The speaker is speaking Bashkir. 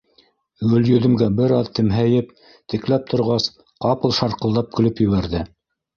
Гөлйөҙөмгә бер аҙ темһәйеп текләп торғас, ҡапыл шарҡылдап көлөп ебәрҙе: